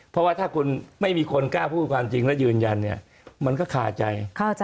เพราะว่าถ้าคุณไม่มีคนกล้าพูดความจริงและยืนยันเนี่ยมันก็คาใจ